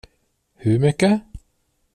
Hur mycket?